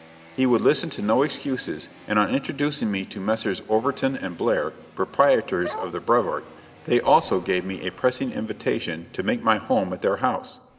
He would listen to no excuses, and on introducing me to Messrs. Overton & Blair, proprietors of the Brevoort, they also gave me a pressing invitation to make my home at their house.